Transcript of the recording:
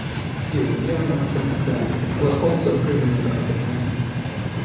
Hough, Yeoman Second Class, who was also a prisoner at the camp.